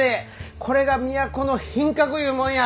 これが都の品格いうもんや。